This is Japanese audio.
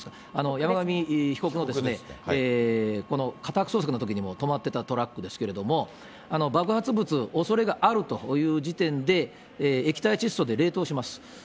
山上被告のですね、この家宅捜索のときにも止まってたトラックですけれども、爆発物のおそれがあるという時点で、液体窒素で冷凍します。